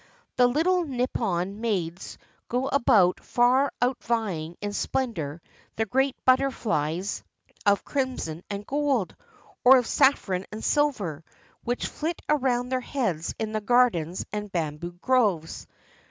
The little Nippon maids go about far outvying in splendor the great butterflies of crimson and gold, or of saSron and silver, which flit around their heads in the gardens and bamboo groves.